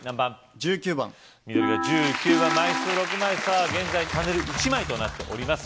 １９番緑が１９番枚数６枚さぁ現在パネル１枚となっております